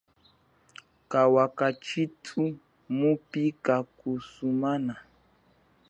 Kawa kashithu mupi kakusumana.